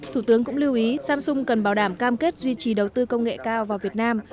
thủ tướng cũng lưu ý samsung cần bảo đảm cam kết duy trì đầu tư công nghệ cao vào việt nam